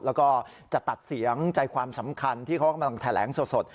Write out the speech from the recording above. แล้วก็จะตัดเสียงใจความสำคัญที่เขากำลังแถลงสด